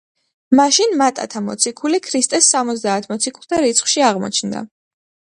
მაშინ მატათა მოციქული ქრისტეს სამოცდაათ მოციქულთა რიცხვში აღმოჩნდა.